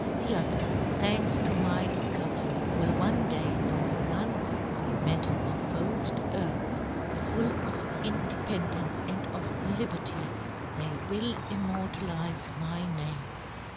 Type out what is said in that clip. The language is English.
the other, thanks to my difcovery, " will one day overrun the metamor " phofed earth ; full of independence " and of liberty they will immortalize " my name.